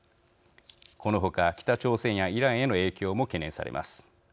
この他北朝鮮やイランへの影響も懸念されます。